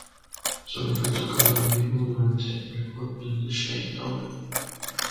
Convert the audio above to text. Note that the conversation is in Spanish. Solo fue tocada en vivo durante el Hot in the Shade Tour.